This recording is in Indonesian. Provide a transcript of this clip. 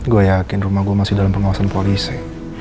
gue yakin rumah gue masih dalam pengawasan polisi